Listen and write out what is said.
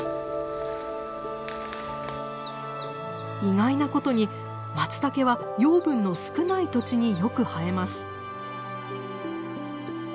意外なことにマツタケは養分の少ない土地によく生えます。